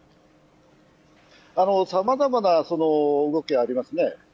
さまざまな動きありますね。